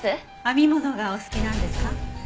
編み物がお好きなんですか？